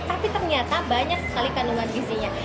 tapi ternyata banyak sekali kandungan gizinya